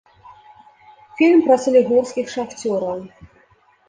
Фільм пра салігорскіх шахцёраў.